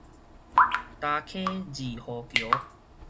礁坑二號橋